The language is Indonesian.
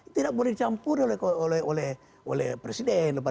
tidak boleh dicampuri oleh presiden